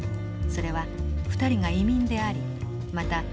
それは２人が移民でありまた